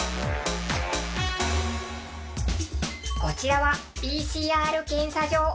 こちらはＰＣＲ検査場。